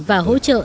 và hỗ trợ